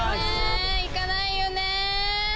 いかないよね！